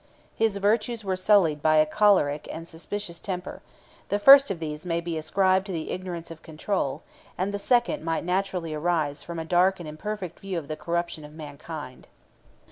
His virtues were sullied by a choleric and suspicious temper: the first of these may be ascribed to the ignorance of control; and the second might naturally arise from a dark and imperfect view of the corruption of mankind.